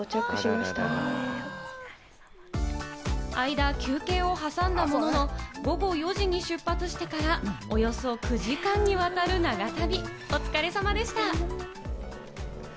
間に休憩を挟んだものの、午後４時に出発してから、およそ９時間にわたる長旅。